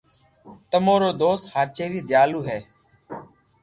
تمو رو دوست ھاچيلي ديالو ھي